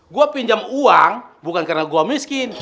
gue pinjam uang bukan karena gue miskin